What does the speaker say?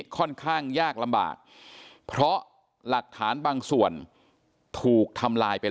ค่อนข้างยากลำบากเพราะหลักฐานบางส่วนถูกทำลายไปแล้ว